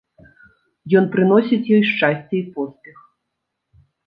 Ён прыносіць ёй шчасце і поспех.